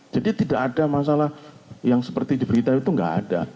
jadi tidak ada masalah yang seperti diberitakan itu tidak ada